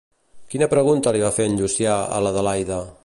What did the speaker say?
Quina pregunta li fa en Llucià a l'Adelaida?